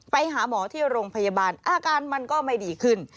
ไปหาหมอที่โรงพยาบาลอาการมันก็ไม่ดีขึ้น